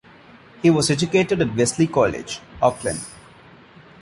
He was educated at Wesley College, Auckland.